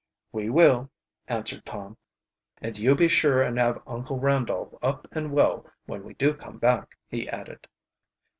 "We will," answered Tom. "And you be sure and have Uncle Randolph up and well when we do come back," he added.